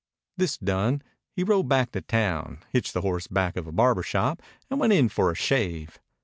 This done, he rode back to town, hitched the horse back of a barber shop, and went in for a shave.